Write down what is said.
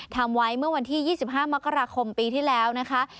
ทำไว้เมื่อวันที่๒๕มกราคมปีที่แล้วนะคะ